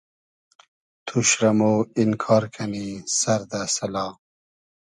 توش رۂ مۉ اینکار کئنی سئر دۂ سئلا